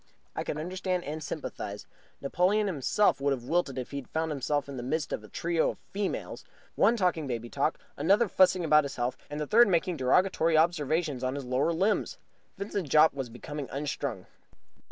I could understand and sympathize. Napoleon himself would have wilted if he had found himself in the midst of a trio of females, one talking baby talk, another fussing about his health, and the third making derogatory observations on his lower limbs. Vincent Jopp was becoming unstrung.